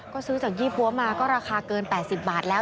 ก็ซื้อจากยี่ปั๊วมาก็ราคาเกิน๘๐บาทแล้ว